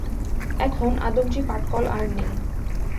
এখন আদমজী পাটকল আর নেই।